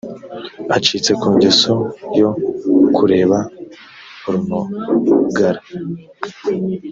acitse ku ngeso yo kureba porunogara